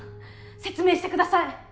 説明してください。